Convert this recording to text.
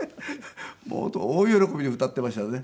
もう本当大喜びで歌っていましたよね。